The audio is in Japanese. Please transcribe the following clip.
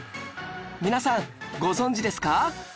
皆さんご存じですか？